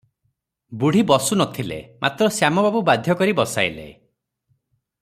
ବୁଢ଼ୀ ବସୁ ନଥିଲେ, ମାତ୍ର ଶ୍ୟାମବାବୁ ବାଧ୍ୟ କରି ବସାଇଲେ ।